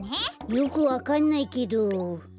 よくわかんないけどわかった。